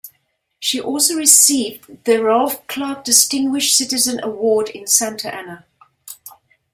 She also received the Ralph Clark Distinguished Citizen Award in Santa Ana.